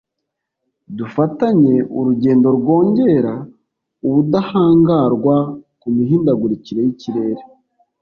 “Dufatanye urugendo rwongera ubudahangarwa ku mihindagurikire y’ikirere’’